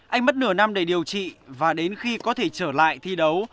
anh mất nửa năm để điều trị và đến khi có thể trở lại thi đấu